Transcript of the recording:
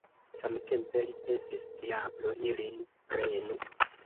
Samtempe li pensis: Diablo ilin prenu!